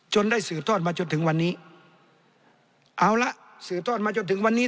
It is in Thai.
ได้สืบทอดมาจนถึงวันนี้เอาละสืบทอดมาจนถึงวันนี้